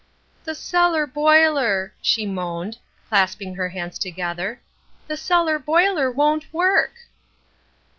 "'The cellar boiler,' she moaned, clasping her hands together, 'the cellar boiler won't work!'